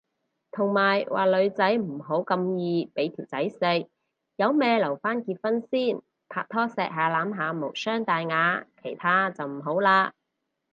同埋話女仔唔好咁易俾條仔食，有咩留返結婚先，拍拖錫下攬下無傷大雅，其他就唔好嘞